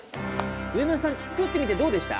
植村さん作ってみてどうでした？